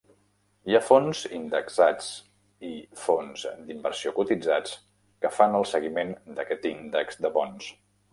Hi ha fons indexats i fons d'inversió cotitzats que fan el seguiment d'aquest índex de bons.